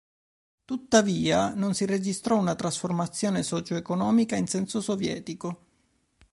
Tuttavia, non si registrò una trasformazione socioeconomica in senso sovietico.